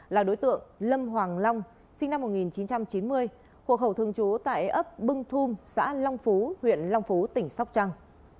là đối tượng lâm hoàng long sinh năm một nghìn chín trăm chín mươi hộ khẩu thường trú tại ấp bưng thum xã long phú huyện long phú tỉnh sóc trăng